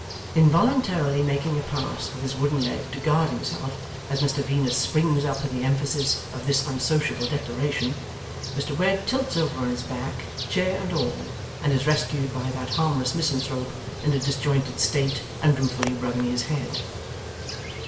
Involuntarily making a pass with his wooden leg to guard himself as Mr Venus springs up in the emphasis of this unsociable declaration, Mr Wegg tilts over on his back, chair and all, and is rescued by that harmless misanthrope, in a disjointed state and ruefully rubbing his head.